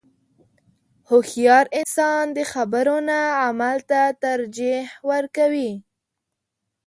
• هوښیار انسان د خبرو نه عمل ته ترجیح ورکوي.